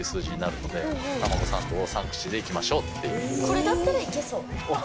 これだったらいけそう。